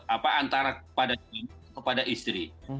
apa antara kepada istri